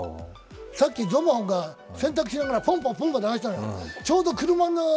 さっきゾマホンが洗濯しながらボンボンやったのよ。